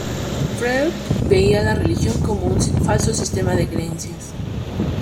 Freud veía la religión como un falso sistema de creencias.